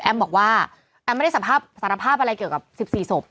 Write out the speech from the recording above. บอกว่าแอมไม่ได้สารภาพอะไรเกี่ยวกับ๑๔ศพ